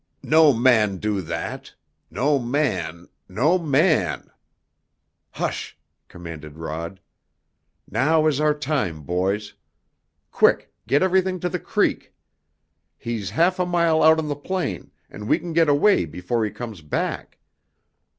"No man do that! No man no man " "Hush!" commanded Rod. "Now is our time, boys! Quick, get everything to the creek. He's half a mile out on the plain and we can get away before he comes back.